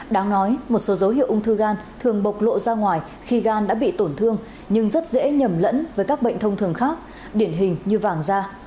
đáng nói một số dấu hiệu ung thư gan thường bộc lộ ra ngoài khi gan đã bị tổn thương nhưng rất dễ nhầm lẫn với các bệnh thông thường khác điển hình như vàng da